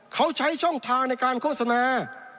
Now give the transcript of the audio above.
เขาใช้ช่องทางในการโฆษณา